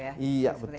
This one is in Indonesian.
iya betul mbak desy